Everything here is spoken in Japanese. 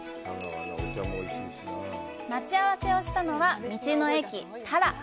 待ち合わせをしたのは、道の駅太良。